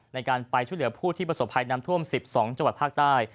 ในการไปช่วยเหลือผู้ที่ประสบภัยน้ำท่วม๑๒จังหวัดภาคใต้